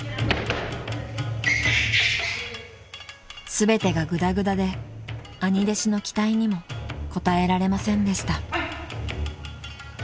［全てがぐだぐだで兄弟子の期待にも応えられませんでした］